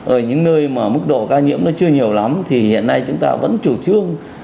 ở những nơi mà mức độ ca nhiễm nó chưa nhiều lắm thì hiện nay chúng ta vẫn chủ trương